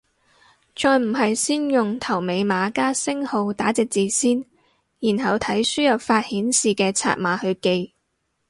再唔係先用頭尾碼加星號打隻字先，然後睇輸入法顯示嘅拆碼去記